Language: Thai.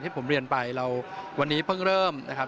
ผมเรียนไปเราวันนี้เพิ่งเริ่มนะครับ